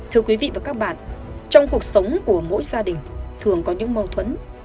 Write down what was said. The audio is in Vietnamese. thưa quý vị và các bạn trong cuộc sống của mỗi gia đình thường có những mâu thuẫn